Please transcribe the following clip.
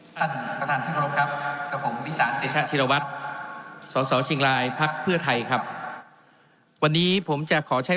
มันผ่านกรุงครับกะหงวิสาชีพจะรำวัดสหชิงรายภาคเพื่อไทยครับวันนี้ผมจะขอใช้